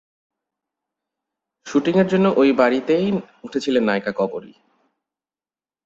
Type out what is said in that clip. শুটিংয়ের জন্য ওই বাড়িতেই উঠেছিলেন নায়িকা কবরী।